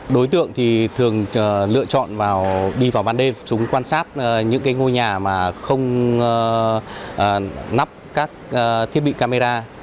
đối tượng thì thường lựa chọn đi vào ban đêm chúng quan sát những ngôi nhà mà không nắp các thiết bị camera